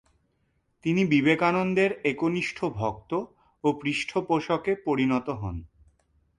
তিনি বিবেকানন্দের একনিষ্ঠ ভক্ত ও পৃষ্ঠপোষকে পরিণত হন।